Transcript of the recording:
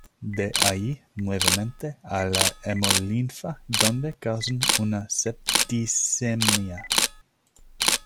De allí nuevamente a la hemolinfa donde causan una septicemia.